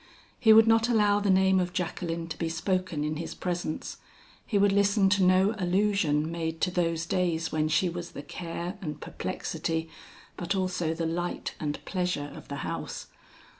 He would not allow the name of Jacqueline to be spoken in his presence; he would listen to no allusion made to those days when she was the care and perplexity, but also the light and pleasure of the house.